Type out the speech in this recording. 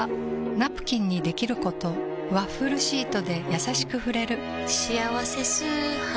ナプキンにできることワッフルシートでやさしく触れる「しあわせ素肌」